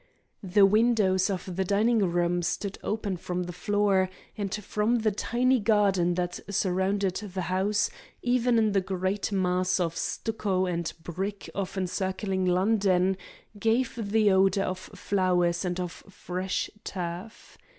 The windows of the dining room stood open from the floor, and from the tiny garden that surrounded the house, even in the great mass of stucco and brick of encircling London, came the odor of flowers and of fresh turf.